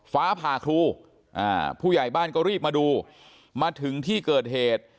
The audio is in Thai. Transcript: ฟ้าผ่าครูผู้ใหญ่บ้านก็รีบมาดูมาถึงที่เกิดเหตุ